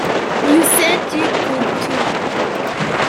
You said you could tell.